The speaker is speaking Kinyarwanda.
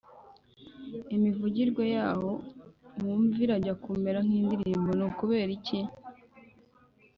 imivugirwe yawo wumve irajya kumera nk’idirimbo? ni ukubera iki?